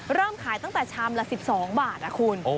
เริ่มขายตั้งแต่ชามละ๑๒บาทนะคุณ